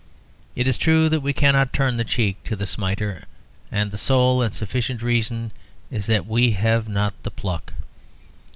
It is true that we cannot turn the cheek to the smiter, and the sole and sufficient reason is that we have not the pluck.